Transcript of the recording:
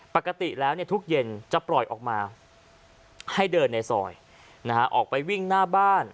ปกติแล้วทุกเย็นจะปล่อยออกมาให้เดินในซอยออกไปวิ่งหน้าบ้าน